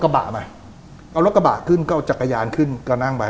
กระบะมาเอารถกระบะขึ้นก็เอาจักรยานขึ้นก็นั่งไป